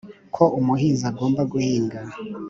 ko umuhinzi agomba guhinga